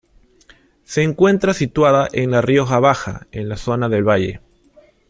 Se encuentra situada en la Rioja Baja, en la zona de Valle.